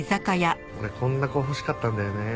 俺こんな子欲しかったんだよね。